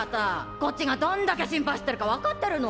こっちがどんだけ心配してるか分かってるの？